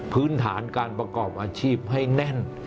พื้นฐานการประกอบอาชีพให้แน่น